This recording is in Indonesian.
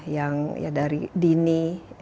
yang dari dini